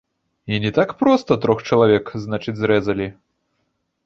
І не так проста трох чалавек, значыць, зрэзалі.